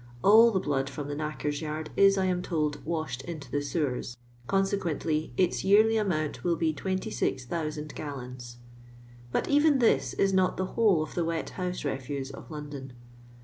All the blood from the knackers' yards is, I am told, washed into the sewers ; consequently its yearly amount will be 26,000 gallons. But even this is not the, whole of the wet house refuse of London.